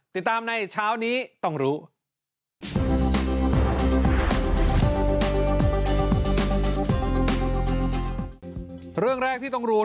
ติดตามในเช้านี้ต้องรู้